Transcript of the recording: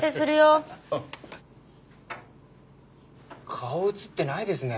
顔映ってないですね。